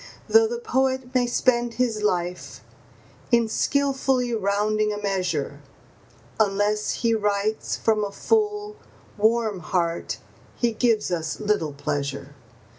Though the poet may spend his life in skilfully rounding a measure, Unless he writes from a full, warm heart he gives us little pleasure.